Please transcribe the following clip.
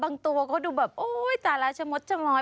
บางตัวก็ดูแบบโอ๊ยแต่ละชะมดชะม้อย